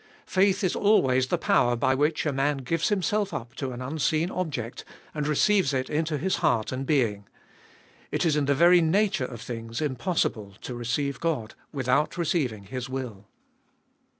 Faith is always the power by which a man gives himself up to an unseen object, and receives it into his heart and being. It is in the very nature of things impossible, to receive God without receiving His will.